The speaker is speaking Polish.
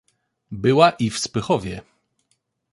"Była i w Spychowie."